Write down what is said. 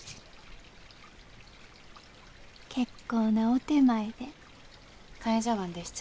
結構なお点前で。